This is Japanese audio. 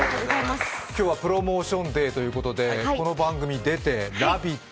今日はプロモーションデーということで、この番組に出て、「ラヴィット！」